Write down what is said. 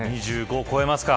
２５超えますか。